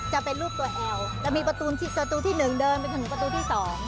จะเป็นรูปตัวแอลจะมีประตูที่๑เดินไปถนนประตูที่๒